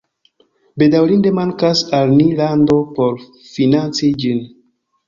Bedaŭrinde mankas al ni lando por financi ĝin